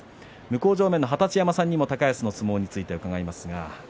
向正面の二十山さんにも高安の相撲について伺います。